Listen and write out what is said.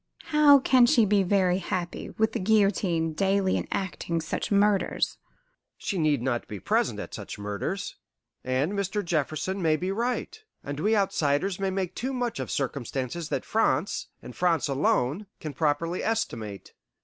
"How can she be very happy with the guillotine daily enacting such murders?" "She need not be present at such murders. And Mr. Jefferson may be right, and we outsiders may make too much of circumstances that France, and France alone, can properly estimate.